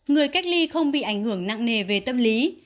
người cách ly không bị ảnh hưởng nặng nề về tâm lý